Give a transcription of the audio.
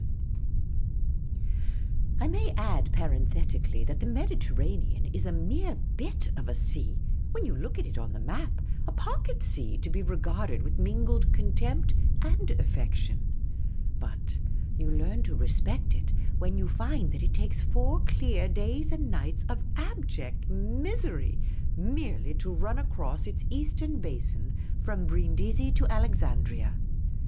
The Unobtrusive Oasis 183 I may add partiithetically that the Mediterranean is a mere bit of a sea, when you look at it on the map — a pocket sea to be regarded with mingled contempt and affection ; but you learn to respect it when you find that it takes four clear days and nights of abject misery merely to run across its eastern basin from Brindisi to Alexandria.